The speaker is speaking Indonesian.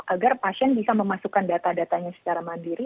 agar pasien bisa memasukkan data datanya secara mandiri